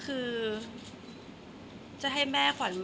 แต่ขวัญไม่สามารถสวมเขาให้แม่ขวัญได้